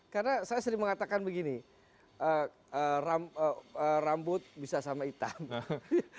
karena saya sering mengatakan begini rambut bisa sama hitam